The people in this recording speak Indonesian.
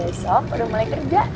besok udah mulai kerja